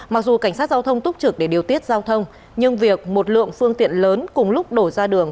mặc dù cảnh sát giao thông túc trực để điều tiết giao thông nhưng việc một lượng phương tiện lớn cùng lúc đổ ra đường